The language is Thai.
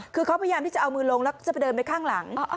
คือเขาพยายามที่จะเอามือลงแล้วจะไปเดินไปข้างหลัง